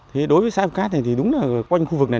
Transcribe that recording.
thì đối với xã hiệp cát thì đúng là quanh khu vực này